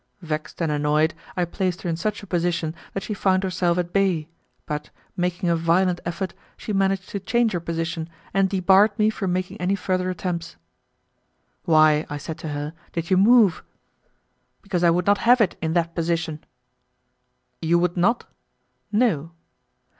Vexed and annoyed, I placed her in such a position that she found herself at bay, but, making a violent effort, she managed to change her position and debarred me from making any further attempts. "Why," I said to her, "did you move?" "Because I would not have it in that position." "You would not?" "No."